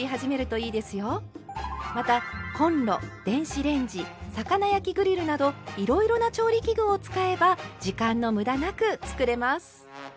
またコンロ電子レンジ魚焼きグリルなどいろいろな調理器具を使えば時間のむだなく作れます。